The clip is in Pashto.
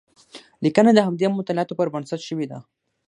لیکنه د همدې مطالعاتو پر بنسټ شوې ده.